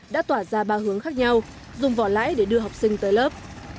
đã tỏa ra ba hướng khác nhau dùng vỏ lãi để đưa học sinh tới lớp